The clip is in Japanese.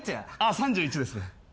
３１です。